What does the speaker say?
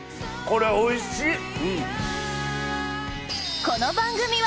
これおいしい！